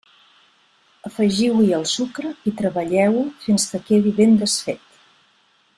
Afegiu-hi el sucre i treballeu-ho fins que quedi ben desfet.